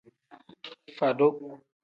Fadu.